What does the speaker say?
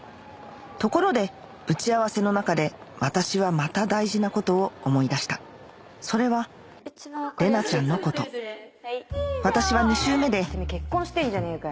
ところで打ち合わせの中で私はまた大事なことを思い出したそれは玲奈ちゃんのこと私は２周目で結婚してんじゃねえかよ